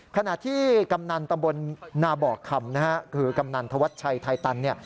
ขณะที่กำนันตำบลนาบอกคำนะฮะคือกำนันธวัชชัยไทยตันเนี่ย